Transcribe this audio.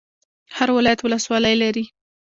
هر ولایت ولسوالۍ لري